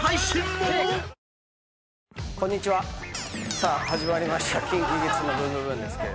さあ始まりました『ＫｉｎＫｉＫｉｄｓのブンブブーン！』です。